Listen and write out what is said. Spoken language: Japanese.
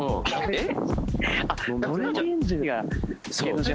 えっ？